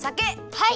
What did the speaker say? はい。